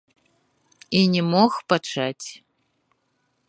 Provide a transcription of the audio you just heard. І не мог пачаць.